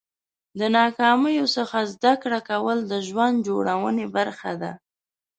د ناکامیو څخه زده کړه کول د ژوند جوړونې برخه ده.